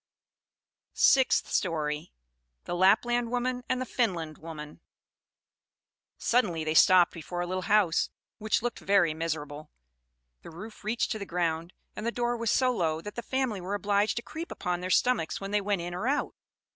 SIXTH STORY. The Lapland Woman and the Finland Woman Suddenly they stopped before a little house, which looked very miserable. The roof reached to the ground; and the door was so low, that the family were obliged to creep upon their stomachs when they went in or out.